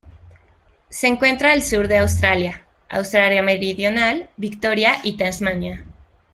Se encuentra al sur de Australia: Australia Meridional, Victoria y Tasmania.